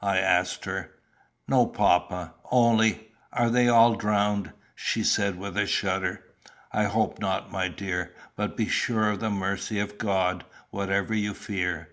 I asked her. "No, papa; only are they all drowned?" she said with a shudder. "I hope not, my dear; but be sure of the mercy of God, whatever you fear.